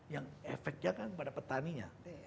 yang efeknya kan kepada petaninya